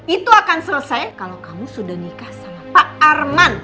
itu akan selesai kalau kamu sudah nikah sama pak arman